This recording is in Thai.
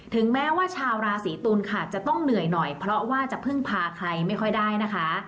ถึงแม้ว่าชาวราศีตุลค่ะจะต้องเหนื่อยหน่อยเพราะว่าจะพึ่งพาใครไม่ค่อยได้นะคะ